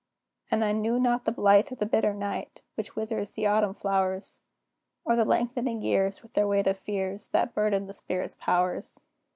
And I knew not the blight of the bitter night, Which withers the autumn flowers, Or the lengthening years, with their weight of fears, That burden the spirit's powers.